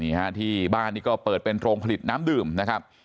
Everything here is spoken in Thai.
ฮะที่บ้านนี่ก็เปิดเป็นโรงผลิตน้ำดื่มนะครับ